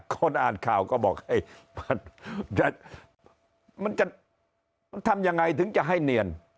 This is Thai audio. คนอ่านข่าวก็บอกมันจะทำยังไงถึงจะให้เนียน